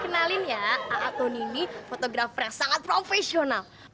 kenalin ya alatun ini fotografer yang sangat profesional